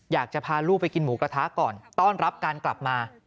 อยากจะพาลูกไปกินหมูกระทะก่อนต้อนรับการกลับมา